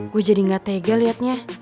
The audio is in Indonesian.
gue jadi gak tega lihatnya